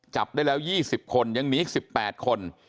จับได้แล้วยี่สิบคนยังมีอีกสิบแปดคน